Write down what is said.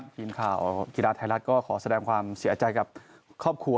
ทีมข่าวกีฬาไทยรัฐก็ขอแสดงความเสียใจกับครอบครัว